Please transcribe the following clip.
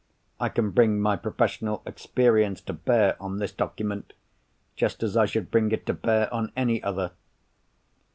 I can bring my professional experience to bear on this document, just as I should bring it to bear on any other.